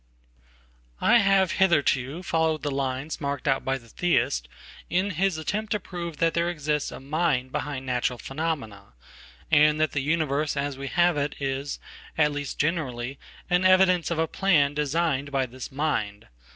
I have hitherto followed the lines marked out by the Theist inhis attempt to prove that there exists a "mind" behind naturalphenomena, and that the universe as we have it is, at leastgenerally, an evidence of a plan designed by this "mind."